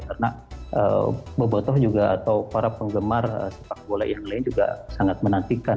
karena bebotoh juga atau para penggemar sepak bola yang lain juga sangat menantikan